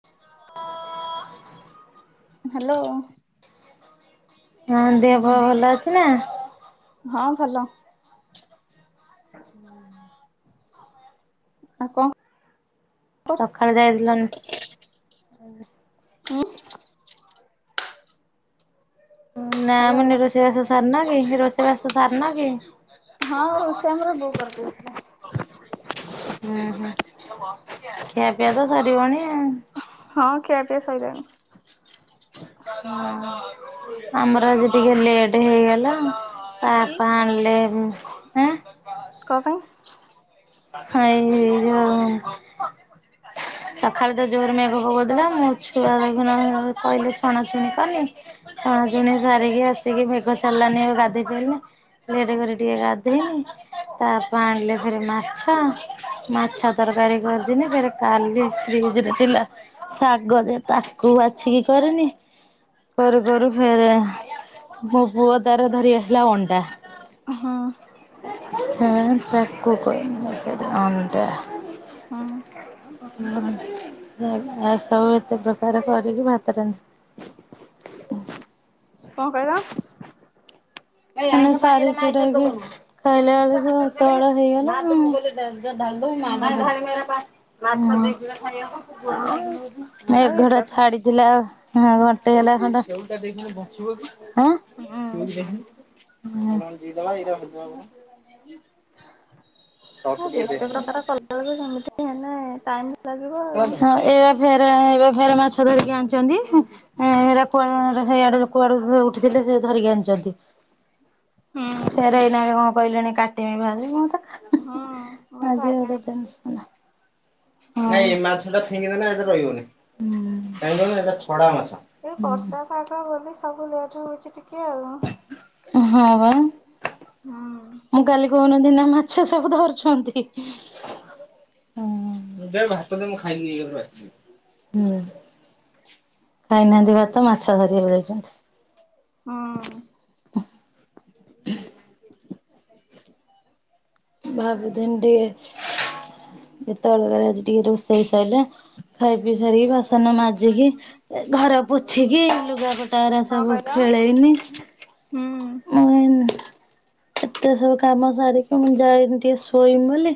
[unintelligible] Hello. ତମ ଦେହ ପା ଭଲ ଅଛି ନା ହଁ ଭଲ। ଆଉ କଣ ସଖାଳେ ଯାଇଥିଲନ [inaudible] ହୁଁ। ନା ହ୍ୟାଲୋ ମୁନି ରୋଷେଇ ବାସ ସାରନ କି ରୋଷେଇ ବାସ ସାରନ କି? ହଁ ରୋଷେଇ ଆମର ବୋଉ କରିଦେଇଥିଲା। ଉଁ ହୁଁ ଖିଆ ପିଆ ତ ସରିବଣି ଆଉ ହଁ ଖିଆପିଆ ସଇଲାଣି। ହୁଁ। [unintelligible] ଆମର ଆଜି ଟିକେ ଲେଟ୍ ହେଇଗଲା ତା କି ଆପା ଆଣିଲେ ଆଁ କ ପାଇଁ ଖାଇନି ଯୋଉ ସଖାଳେ ତ ଜୋରେ ମେଘ ପକଉଥିଲା ମୋ ଛୁଆ ଦେଖୁନ କହିଲେ ଛଣାଛୁଣି କଲି ଛଣାଛୁଣୀ ସାରିକି ଆସିକି ମେଘ ଛାଡ଼ିଲାନି ଆଉ ଗାଧେଇ ପାଇଲିନି ଲେଟ୍ କରି ଟିକେ ଗାଧେଇଲି ତା ଆପା ଆଣିଲେ ଫେର ମା ମାଛ ମାଛ ତରକାରୀ କରିଥିଲି ଫେର କାଲି ଫ୍ରିଜ ରେ ଥିଲା ଶାଗ ଯେ ତାକୁ ବାଛି କିି କରିନି। କରୁ କରୁ ଫେର ମୋ ପୁଅ ତାର ଧରି ଆସିଲା ଅଣ୍ଡା। ହଁ। ଫେରେ ତାକୁ କଲି ଅଣ୍ଡା। ହୁଁ ଆ ସବୁ ଏତେ ପ୍ରକାର କରିକି ଭାତ ରାନ୍ଧି କଣ କହିଲ? ସାରି ସୁରା କି ଖାଇଲା ବେଳକୁ ଏତେ ବେଳ ହେଇଗଲା ଆଉ। ଢାୁ ମା ମା ହୁଁ ଖ [unintelligible] ଆଉ ମେଘଟା ଏତେ ହୁଁ ଛାଡିଥିଲା ଘଣ୍ଟେହେଲା ଖଣ୍ଡ ଆ। ଆଉ ଯଦବା ଏଇଟ [unintelligible] [inaudible] ଏତେ ପ୍ରକାର କଲାବେଳକୁ ଯେମିତି ହେଲେ ଟାଇମ୍ ଲାଗିବ ଆଉ। ଏଇ ପା ଫେରେ ଏଇ ପା ଫେରେ ମାଛ ଧରିକି ଆଣିଛନ୍ତି ଏରା କୁଆଡେ ହେଆଡେ କୁଆଡୁ ଉଠିଥିଲେ ସେ ଧରିକି ଆଣିଛନ୍ତି। ହୁଁ ଫେରେ ଏଇନା କଣ କହିଲେଣି କାଟିମି ଭାଜେ ମତେ ହୁଁ ମୋ ଭାଇ କାହାର। [inaudible] ନାଇଁ ଏ ମାଛ ଟା ଫିଙ୍ଗିଦେଲେ ଏଟା ରହିବନି କାଇଁ କହିଲୁ ଏଟା ଛଡା ମାଛ। ଏଇ ବର୍ଷା ପାଗ ବୋଲି ସବୁ ଲେଟ୍ ହଉଛି ଟିକେ କେ ଆଉ ହଁ ବା ହୁଁ। କଣ ଦିନା ମାଛ ସବୁ ଧରୁଛନ୍ତି। ଦେ ଭାତ ଦେ ମୁଁ ଖାଇମି [unintelligible] ଖାଇନାହାନ୍ତି ଭାତ ମାଛ ଧରିବାକୁ ଯାଇଛନ୍ତି। ହଁ। [inaudible] ଭାବୁଥିଲିନ ଟିକେ ଏତବେଳଯାଏ ଟିକେ ରୋଷେଇ ସଇଲା। ଖାଇ ପି ସାରିକି ବାସନ ମାଜିକି ଘର ପୋଛିକି ଲୁଗାପଟାରା କଣ ସବୁ କହିଲ ଖେଳେଇନି। ହୁଁ। ମୁଇ ଏତେ ସବୁ କାମ ସାରିକି ମୁଁ ଯାଇକି ଟିକେ ସୋ ଇମି ବୋଲି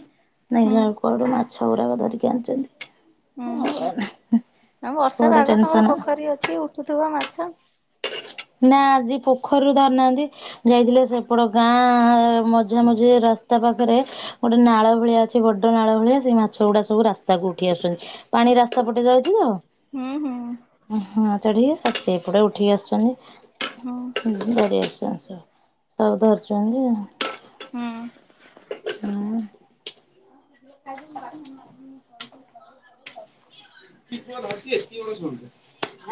ହୁଁ ଦେଖିଲା ବେଳକୁୁ ଇଆଡୁ ମାଛ ଗୁରାକ ଧରିକି ଆଣିଛନ୍ତି। ଉୁଁ ହୁଁ ଆ ବର୍ଷା ବଡ ପାଗ ତମର ଟେନସନ। ପୋଖରୀ ଅଛି ଉଠୁଥିବ ମାଛ? ନା ଆଜି ପୋଖରୀରୁ ଧରି ନାହାନ୍ତି ଯାଇଥିଲେ ସେପଟ ଗାଁ ହ [inaudible] ମଝିଆ ମଝି ରାସ୍ତା ପାଖରେ ଗୋଟେ ନାଳ ଭଳିଆ ଅଛି ବଡ ନାଳ ଭଳିଆ ସେଇ ମାଛ ଗୁଡା ସବୁ ରାସ୍ତା ସ୍ତାକୁ ଉଠି ଆସୁଚନ୍ତି। ପାଣି ରାସ୍ତା ପଟେ ଯାଉଛି ତ ହୁଁ ହୁଁ ହଁ ଚଢ଼ିଏ ସେପଟେ ଉଠିକି ଆସୁଛନ୍ତି। ହଁ। ବଢିଆସିଛନ୍ତି ସବୁ ଧରୁଛନ୍ତି ଆଉ। ହୁଁ ଆଉ [inaudible] କି କଆ ଧାଚ କି କ ଶୁଛ [inaudible] କିଏ [inaudible]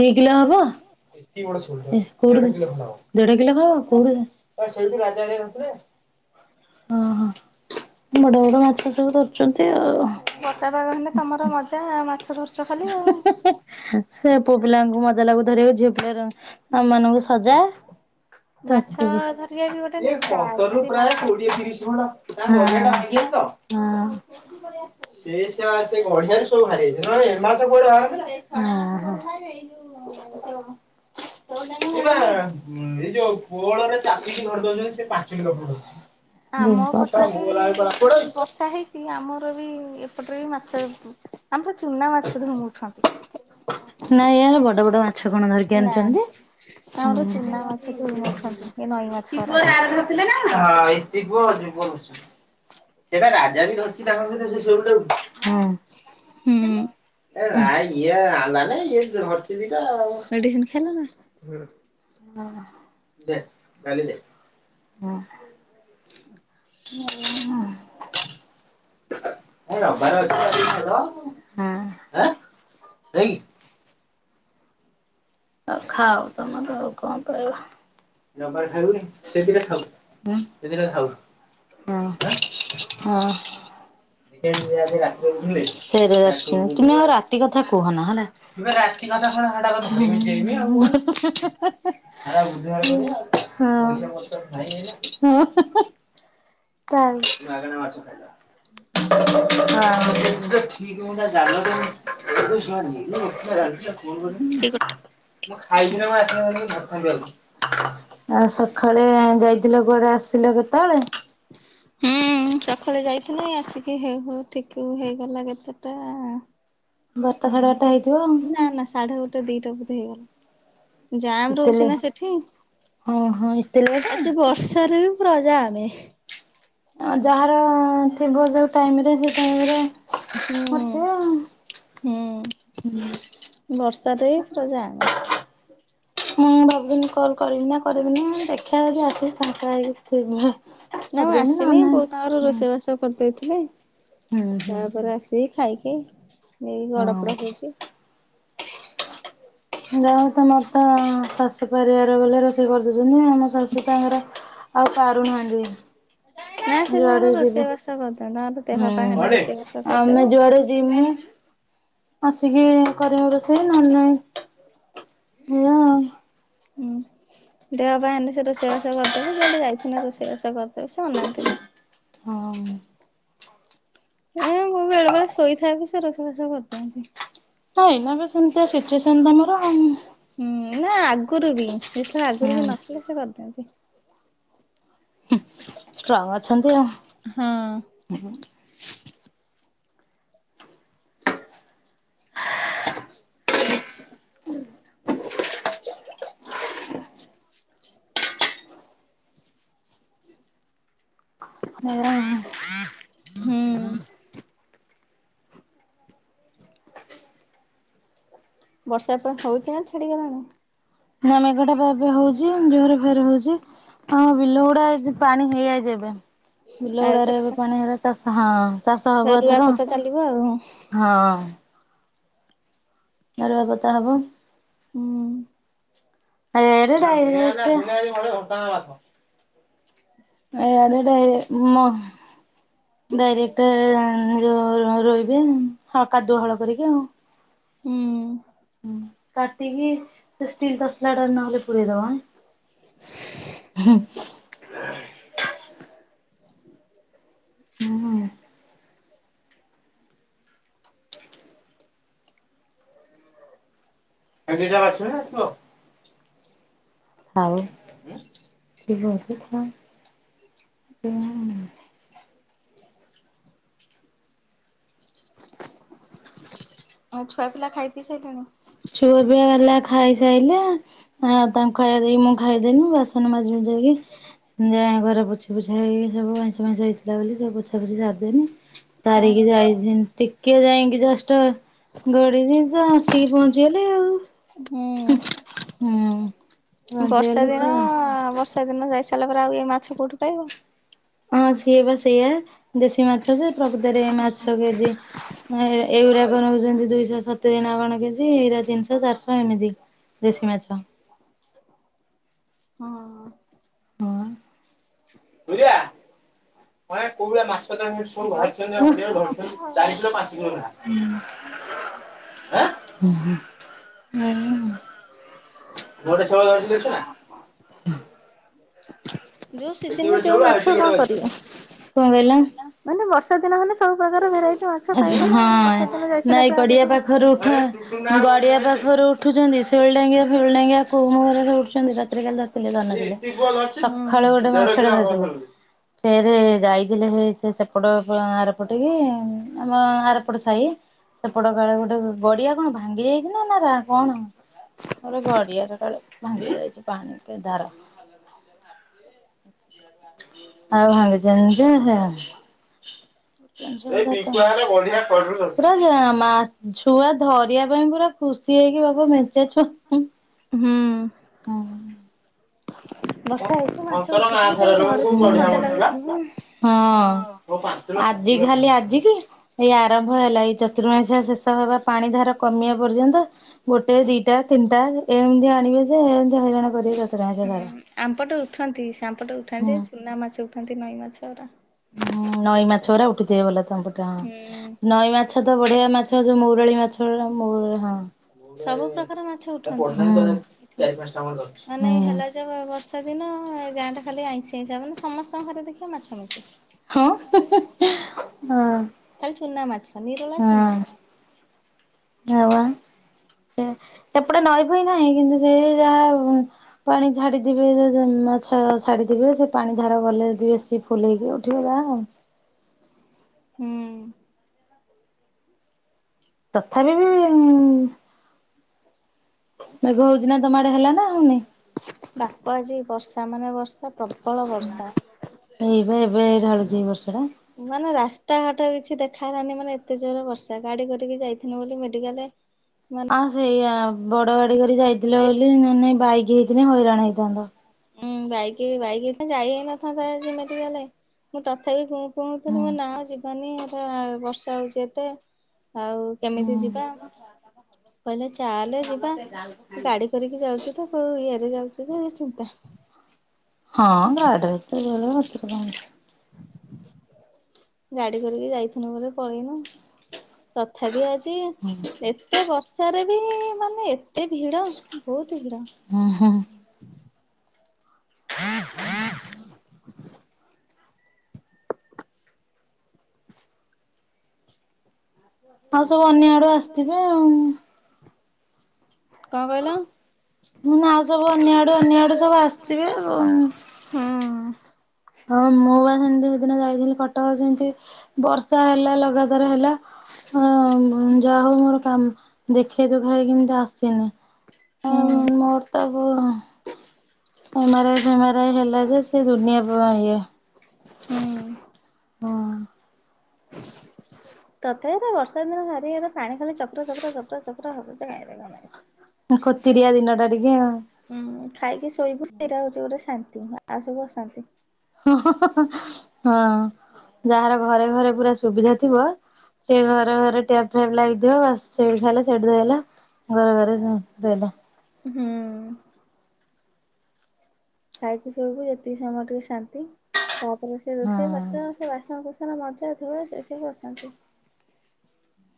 ଦି କିଲୋ ହବ ଏତିକି ବଡ଼ ସେଉଳ ଟା ପା। କଉଠୁ ଦେଢ କିଲୋ ହବ କଉଠି କଣ ସେଇଠି ରାଜା ଭାଇ ନଥିଲେ? ଓ ହୋ ବଡ ବଡ ମାଛ ସବୁ ଧରୁଛନ୍ତି ଆଉ। ବର୍ଷା ପାଗ ହେଲେ ତମର ମଜା ମାଛ ଧରୁଛ ଖାଲି ଆଉ। ସେ ପୁଅ ପିଲାଙ୍କୁ ମଜା ଲାଗୁ ଧରିଆକୁ ଝିଅ ପିଲାର ଆମ ମାନଙ୍କୁ ସଜା ମାଛ ଧରିବା ବି ଗୋଟେ ନିଶା ଯଦି ମାଛ [unintelligible] ହୁଁ [unintelligible] ହୁଁ ହୁଁ ଏଇବା ଏଇ ଯୋଉ କୋଅଳରେ ଚାଲିକି ଧରି ଦଉଛନ୍ତି ସେ ପାଞ୍ଚିକିଲ ଖଣ୍ତେ ଅଛି। ଆମ ପଟରେ ବି ବର୍ଷା ହେଇଛି ଆମର ବି ଏପଟରେ ବି ମାଛ ଆମର ଚୁନା ମାଛ ଧୁମ୍ ଉଠନ୍ତି ନାଇଁ ୟାର ବଡ ବଡ ମାଛ କଣ ଧରିକି ନା ଆଣିଛନ୍ତି, ଆମର ହୁଁ ଚୁନା ମାଛ ଧଉମ ଉଠନ୍ତି ଏ ନଈ ମାଛ ଗୁରା [unintelligible] [unintelligible] ହୁଁ ଏ ନାଇ ହୁଁ। ଇଏ ଆଣିଲାନାଇ ଇଏ ହରଚଣ୍ଡୀଟା ଆଉ ମେଡ଼ିସିନ୍ ଖାଇଲ ନା? ଦେ, ଡାଲି ଦେ, ହ। [unintelligible] କାଲି ରବିବାର ଅଛି କରିକି ଖାଇଦବା ଆଉ ନା? ହଁ ଆଉ ଖାଅ ତମର ଆଉ କଣ କରିବା। ରବିବାର ଖାଇବୁନି, ସେ ଦିଟା ଥାଉ ହୁଁ ସେ ଦିଟା ଥାଉ ହଁ ହଁ [unintelligible] ସେ ତୁମେ ଆଉ ରାତି କଥା କୁହନା ହେଲା [unintelligible] [unintelligible] [unintelligible] ମାଗଣା ମାଛ ଖାଇଦବା। [unintelligible] [unintelligible] ଏଇ ଗୋଟା ମୁଁ ଖାଇଥିଲେ ମୁଁ ଆସିନଥାନ୍ତି, ମୁଁ ଧରିଥାନ୍ତି ଆଉ। ସଖାଳେ ଯାଇଥିଲ କୁଆଡ଼େ ଆସିଲ କେତେବେଳେ? [inaudible] ହୁଁ ସକାଳ ଯାଇଥିଲି ଆସିକି ହେଉ ହେଉ ଟିକେ ହେଇଗଲା କେତଟା। ବାରଟା ସାଢେ ବାରଟା ହେଇଥିବ ଆଉ। ହୁଁ ନା ନା ସାଢେ ଗୋଟେ ଦିଟା ବୋଧେ ହେଇଗଲା। ଜାମ୍ ଏତେ ଲେ ରହୁଛି ନା ସେଠି ହଁ ହଁ ଏତେ ଲେଟ୍? ଆଜି ବର୍ଷାରେ ବି ପୁରା ଜାମେ। ଆ ଯାହାର ଥିବ ଯୋଉ ଟାଇମରେ ସେ ଟାଇମରେ ହୁଁ ହୁଁ ବର୍ଷାରେ ପୁରା ଯାମ। ମୁଁ ଭାବୁଥିଲି କଲ କରିବି ନା କରିବିନି ଦେଖିବା ଯଦି ଆସିକି ପାଙ୍କା ହେଇକି ନା ମୁଁ କରିଦେମି ନହେଲେ ଆସିନି ନାଇଁ ବୋଉ ତାଙ୍କର ହୁଁ ରୋଷେଇ ବାସ ସବୁ କରିଦେଇଥିଲେ ହୁଁ ହୁଁ। ତାପରେ ଆସିକି ଖାଇକି ଏଇ ଗଡ ହଁ ପଡ ହଉଛି। ଯାହଉ ତମରତ ଶାଶୁ ପରିବାର ବୋଲେ ରୋଷେଇ କରିଦେଉଛନ୍ତି ଆମ ଶାଶୁ ଆମର ଆଉ ପାରୁନାହାଁନ୍ତି। ନା ସେ ଯୁଆଡେ ତାଙ୍କର ଯିବୁ ରୋଷେଇବାସ କରିଦିଅନ୍ତି ତାଙ୍କର ଦେହ ପା ହେଲେ ହୁଁ ରୋଷେଇବାସ କରିଦେବେ ଆମେ ଯୁଆଡେ ଯିମୁ ଆସିକି କରିବୁ ରୋଷେଇ ନହେଲେ ନାଇଁ ଏଇଆ ଆଉ। ହୁଁ ଦେହ ପା ହେନେ ସେ ରୋଷେଇ ବାସ କ ରି ଦେବେ। କୁଆଡେ ଯାଇଥିନେ ରୋଷେଇବାଷ କରିଦେବେ ସେ ଅନାନ୍ତିନି। ହଁ। ଏଁ ମୁଁ ବେଳେ ବେଳେ ଶୋଇଥାଏ ବି ସେ ରୋଷେଇବାସ କରିଦିଅନ୍ତି। [unintelligible] ସିଚୁଏସନ ତମର। ହୁଁ ନା ଆଗରୁ ବି ଯେତେଳେ ଆଗରୁ ହୁଁ ବି ନଥିଲେ ସେ କରିଦିଅନ୍ତି। ଷ୍ଟ୍ରଙ୍ଗ ଅଛନ୍ତି ଆଉ। ହୁଁ। ହୁଁ। [inaudible] ଏୟା ଉ। ହୁଁ। ବର୍ଷା ତ ହଉଚି ନା ଛାଡ଼ିଗଲାଣି? ନା ମେଘଟା ଏବେ ହଉଚି ଜୋର୍ ଫେରେ ହଉଚି। ହଁ ବିଲଗୁଡା ପାଣି ହେଇଯାଇଚି ଏବେ ଆଉ ବିଲଗୁଡାରେ ଏବେ ପାଣି ହେଇଗ ଚାଷ ହଁ। ଚାଷ ହବ ଏଥର। ରୁଆପତା ଚାଲିବ ଆଉ। ହଁ। ଡାଳୁଆ ପୋତା ହବ। ହୁଁ। [inaudible] [unintelligible] ଡାଇରେକ୍ଟ ଏ ଯୋଉ ରୋଇବେ ହ କାଦୁଅ ହଳ କରିବେ ଆଉ। ହୁଁ। ହୁଁ କାଟିକି ସେ ଷ୍ଟିଲ ତସଲାଟା ନହେଲେ ପୁରେଇଦବାଁ। ହୁଁ। ହୁଁ। ଏ ଦୁଇ ଯାର [unintelligible] [inaudible] ଆଉ ଛୁଆ ପିଲା ଖାଇ ପିଇ ସାରିଲେଣି? ଛୁଆ ପିଆ ହେଲା ଖାଇସାଇଲା। ହଁ ତାଙ୍କୁ ଖାଇବା ଦେଇ ମୁଁ ଖାଇଦେନି ବାସନ ମାଜି ମୁଯାଇକି ଯାଏ ଘର ପୋଛ ପୋଛା ହେଇ ସବୁ ଆଇଁଷ ଫାଇଁସ ହେଇଥିଲା ବୋଲି ସବ ପୋଛା ଫୋଛି ସାରିଦେନି। ସାରିକି ଯାଇଥିନି ଟିକେ ଯାଇକି ଜଷ୍ଟ ଗଡିଛି ତ ଆସିକି ପହଞ୍ଚ ଗଲେ ଆଉ। ହୁଁ। ହୁଁ। ବର୍ଷା ପହଞ୍ଚିଗଲେ ଦିନ ତ ବର୍ଷା ଦିନ ଯାଇସାରିଲା ପରେ ଆଉ ଏ ମାଛ କୋଉଠି ପାଇବ? ହଁ ସିଏ ବା ସେଇଆ ଦେଶୀ ମାଛ ସେ ପ୍ରକୃତରେ ମାଛ କେଜି ଏଇଗୁଡାକଣ ନଉଛନ୍ତି ଦୁଇଶହ ସତୁରି ନା କଣ କେଜି ଏଇରା ତିନିଶହ ଚାରିଶହ ଏମିତି ଦେଶୀ ମାଛ। ହଁ। ହଁ। ଯୋଉ ସିଜିନରେ ଯୋଉ ମାଛ ଆଉ। [inaudible] [inaudible] ଯଉ ସିଜିନ୍ ରେ ଯଉ ମାଛ କଣ କରିବା। କଣ କହିଲ? ଲାହିଲ ମାନେ ବର୍ଷା ଦିନ ହେଲେ ସବୁ ପ୍ରକାର ଭେରାଇଟି ମାଛ ପାଇବ‌ ନା‌ ଆଉ ହଁ ବର୍ଷା ଦିନ ଯାଇ ସାରିଲା ଆଉ କଉଠେ ମାଛ ହଁ ଗଡିଆ ପାଖରୁ ଉଠୁଚନ୍ତି ଶେଉଳଡାଙ୍ଗିଆ ଫେଉଳଡାଙ୍ଗିଆ କୋଉ ମୁଁହଁରେ ସବୁ ଉଠୁଚନ୍ତି ରାତିରେ କାଲି ରା [inaudible] ସଖାଳୁ ହୁଁ। ଗୋଟେ ମାଛଟେ ଭାଯିଥିଲି ଫେରେ ଯାଇଥିଲେ ହେଇ ସେପଟ ଏପଟ ଗାଁରେ ଏପଟିକି ଆମ ଆରପଟେ ସାହି ସେପଟ କାଳେ ଗୋଟେ ଗଡିଆ କଣ ଭାଙ୍ଗି ଯାଇଚି ନା- ନା କଣ? ଗୋଟେ ଗଡିଆରେ କାଳେ ଭାଙ୍ଗି ଯାଇଚି ପାଣି କେ ଧାର। ଆଉ ଭାଙ୍ଗିଚନ୍ତି ଯେ ସେୟା ପୁରା ମାଛୁଆ ଧରିବା ପାଇଁ ପୁରା ଖୁସି ହେଇକି ବାବା ମେଞ୍ଚେ ଛୁଆ ହୁଁ। ହୁଁ। ହଁ। ବର୍ଷା ହେଇଛି ମାଛ ଆଜି ଉଠୁଥିଲେ ତାକୁ ଧରୁଥିଲୁ ମଜା ଲାଗୁଥିବ। ଖାଲି ଆଜିି କି? ହେଇ ଆରମ୍ଭ ହେଲା ଏଇ ଚତୁର୍ମାସିିଆ ଶେଷ ହେବା ପାଣି ଧାର କମିବା ପର୍ଯ୍ୟନ୍ତ। ଗୋଟେ ଦିଟା ତିନିଟା ଏମିତି ଆଣିବେ ଯେ ଏମିତି ହଇରାଣ କରିବେ ଚତୁର୍ମାସିଆ ସାରା। ଆମ୍ ପଟେ ଉଠନ୍ତି ଆମ ପଟେ ଉଠନ୍ତି ଯେ ହୁଁ। ଚୁନା ମାଛ ଉଠନ୍ତି ନଈ ମାଛ ଗୁରା। ହୁଁ ନଈ ମାଛ ଗୁରା ଉଠୁଥିବେ ଭଲ ତମ ପଟେ ହୁଁ ହଁ ନଈ ମା ମାଛ ତ ବଢିଆ ମାଛ ଯଉ ମହୁରାଳି ମାଛ ସବୁ ମହୁରାଳି ପ୍ରକାର ମାଛ ହଁ। ଉଠନ୍ତି ହୁଁ ହୁଁ ଯୋବା ବର୍ଷା ଦିନ ଗାଁ ଟା ଖାଲି ଆଇଁଷିଆ ଆଇଁଷିଆ ମାନେ ସମସ୍ତଙ୍କ ଘରେ ଦେଖିବ ମାଛମଛି। ହଁ -ହିଁ- ହିଁ -ହଁ। ଖାଲି ଚୁନା ମାଛ ନିରୁଳା ଚୁନା। ଆଉ ସେ ସେପଟେ ନଈଫଇ ନାହିଁ କିନ୍ତୁ ସେ ଯାହା ପାଣି ଛାଡିଦିବେ ସେ ଯୋ ମାଛ ଛାଡିଥିବେ ସେ ପାଣି ଧାର ଗଲେ ଯିବେ ସିଏ ଫୁଲେଇକି ଉଠିବ ଯା ହୁଁ। ତଥାପି ବି ମେଘ ହଉଚି ନା ତମ ଆଡେ ହେଲା ନା ହଉନି? ବାପ ଆଜି ବର୍ଷା ମାନେ ବର୍ଷା ପ୍ରବଳ ବର୍ଷା ଏଇବା ଏବେ ଢାଳୁଛି ଏଇ ବର୍ଷା ଟା। ମାନେ ରାସ୍ତାଘାଟ କିଛି ଦେଖାଗଲାନି ମାନେ ଏତେ ଜୋରେ ବର୍ଷା ଗାଡି କରିକି ଯାଇଥିଲୁ ବୋଲି ମେଡିକାଲରେ ଆଉ ସେଇଆ ବଡ ଗାଡି କରି ଯାଇଥିଲ ବୋଲି ନହେଲେ ନାହିଁ ବାଇକି ହେଇଥିଲେ ହଇରାଣ ହେଇଥାନ୍ତ। ଉୁଁ ବାଇକରେ -ବାଇକରେ ଯାଇ ହେଇନଥାନ୍ତା ଆଜି ମେଡିକାଲେ। ମୁଁ ତଥାପି ଗୁଁ ପୁଁ ହଉ ହୁଁ ଥିଲି ମୁଁ ନାଁ ଯିବାନି ଏରା ବର୍ଷା ହଉଚି ଏତେ ଆଉ କେମିତି ହୁଁ ଯିବା- କହିଲେ ଚାଲେ ଯିବା। ଗାଡି କରିକି ଯାଉଚୁ ତ କଉ ଇଏରେ ଯାଉଚୁ ତ ଏତେ ଚିନ୍ତା। ହଁ ଗାଢିରେ ତ ଗଲେ ହେତେରେ କଣ ଅଛି। ଗାଡି କରିକି ଯାଇଥିଲୁ ବୋଲି ପଳେଇଲୁ ତଥାପି ଆ ଜି ଏତେ ବର୍ଷାରେ ବି ମାନେ ଏତେ ଭିଡ ବହୁତୁ ଭିଡ। ହାଁ ହାଁ। ଆଉ ସବୁ ଅନ୍ୟ ଆଡୁ ଆସିଥିବେ ଆଉ। କଣ କହିଲ? ମୁଁ ନା ସବୁ ଅନ୍ୟ ଆଡୁ ଅନ୍ୟ ଆଡୁ ସବୁ ଆସିଥିବେ ଆଉଁ। ହୁଁ ହଁ, ମୁଁ ବା ସେଇଦିନ ସେମତି ଯାଇଥିଲି କଟକ ସେମିତି ବର୍ଷା ହେଲା ଲଗାତାର ହେଲା। ହଁ ଯାହା ହଉ ମୋର କାମ ଦେଖେଇ ଦୁଖାକି କେମିତି ଆସିନି। ଆଉ ହୁଁ। ମୋର ତ ବହୁ ଏମେରାଇ ଫେମାରଇ ହେଲା ଯେ ସେ ଦୁନିଆ ଗୁଆ ଘିଅ। ହୁଁ। ହଁ। ତଥାପି ତ ବର୍ଷା ଦିନ ବାରି ଘର ପାଣିଖାଲି ଚପର, ଚପର ହବ ଯେ କାଇଁ ରେକଣ? ଆଉ କତିରିଆ ଦିନଟା ଟିକେ। ହୁଁ ଖାଇକି ଶୋଇବୁ ସେଇଟା ହଉଛି ଗୋଟେ ଶାନ୍ତି ଆଉ ସବୁ ଅଶାନ୍ତି। ହଁ ଯାହାର ଘରେ ଘରେ ପୁରା ସୁବିଧା ଥିବ ସେ ଘରେ ଘରେ ଟ୍ୟାପ୍ ଫ୍ୟାପ୍ ଲାଗିଥିବ, ବାସ୍ ସେଇଠି ଖାଇଲା ସେଇଠି ଧୋଇହେଲା। ଘର ଘରେ ସେ ରହିଲା। ହୁଁ। ଖାଇକି ଶୋଇବୁ ଯେତିକି ସମୟ ଟିକେ ଶାନ୍ତି। ତାପରେ ସେ ରୋଷେଇ ବାସ ସେ ବାସନ କୁସନ ବାସନ ମଜା ଧୁଆ ସେ ସବୁ ଅସାନ୍ତି।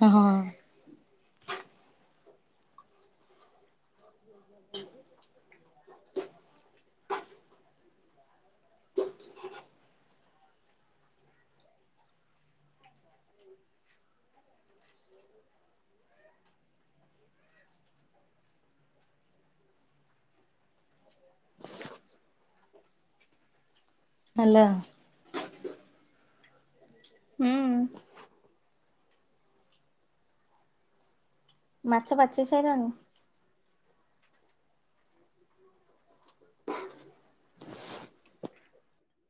ଏ ହଁ। ହ୍ୟାଲୋ। ହୁଁ। ମାଛ ବାଛି ସାଇଲଣି?